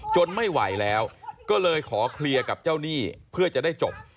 ไม่ไหวแล้วก็เลยขอเคลียร์กับเจ้าหนี้เพื่อจะได้จบ